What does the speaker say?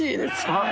はい。